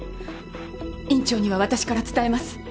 院長には私から伝えます。